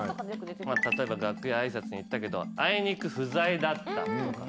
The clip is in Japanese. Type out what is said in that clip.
例えば「楽屋挨拶に行ったけど生憎不在だった」とか。